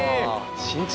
新築。